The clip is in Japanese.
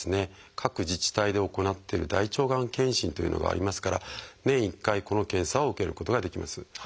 各自治体で行っている大腸がん検診というのがありますから年１回この検査を受けることができます。